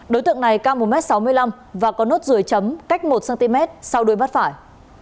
đối tượng này cao một m sáu mươi năm và có nốt ruồi chấm cách một cm sau đuôi mắt phải